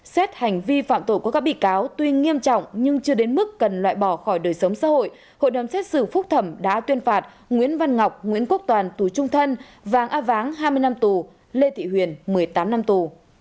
xét hành vi phạm tội của các bị cáo tuy nghiêm trọng nhưng chưa đến mức cần loại bỏ khỏi đời sống xã hội hội đồng xét xử phúc thẩm đã tuyên phạt nguyễn văn ngọc nguyễn quốc toàn tù trung thân vàng a váng hai mươi năm tù lê thị huyền một mươi tám năm tù